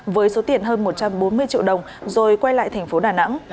với số tiền hơn một trăm bốn mươi triệu đồng rồi quay lại thành phố đà nẵng